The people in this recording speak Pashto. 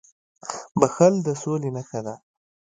• بښل د سولي نښه ده.